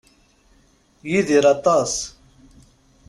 Yidir aṭas.